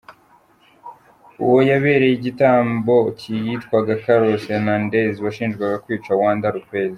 Uwo yabereye igitambo yitwaga Carlos Hernandez washinjwaga kwica Wanda Lopez.